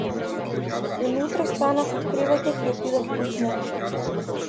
Едно утро станав од креветот и отидов по смоки.